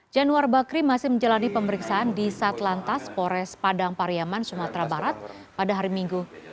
januar bakri masih menjalani pemeriksaan di satlantas pores padang pariyaman sumatera barat pada hari minggu